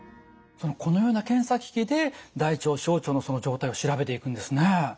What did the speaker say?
そのこのような検査機器で大腸小腸のその状態を調べていくんですね。